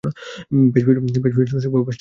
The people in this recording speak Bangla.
বেশ বেশ রসিকবাবু, চমৎকার!